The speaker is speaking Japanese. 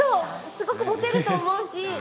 すごくモテると思うし。